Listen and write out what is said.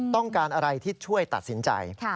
ต้องการอะไรที่ช่วยตัดสินใจ